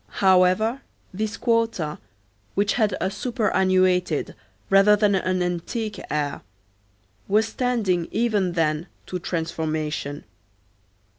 However, this quarter, which had a superannuated rather than an antique air, was tending even then to transformation.